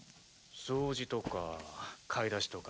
掃除とか買い出しとか。